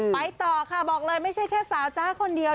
ไปต่อบอกเลยไม่แค่สาวค้าคนเดียว